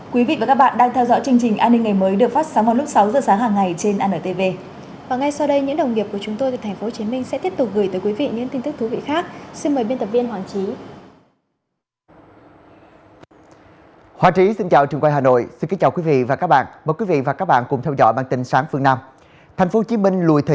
quý vị và các bạn đang theo dõi chương trình an ninh ngày mới được phát sóng vào lúc sáu giờ sáng hàng ngày trên anntv